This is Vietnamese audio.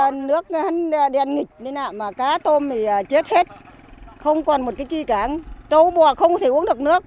nước đèn nghịch cá tôm chết hết không còn một cái kỳ cả trâu bò không thể uống được nước